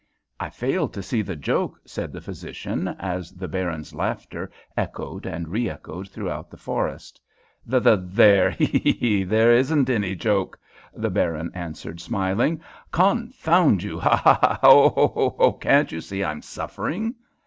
"I fail to see the joke," said the physician, as the Baron's laughter echoed and reechoed throughout the forest. "Th there hee hee! there isn't a any joke," the Baron answered, smiling. "Confound you ha ha ha ha! oho ho ho! can't you see I'm suffering?"